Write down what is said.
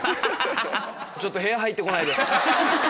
ちょっと部屋入って来ないで。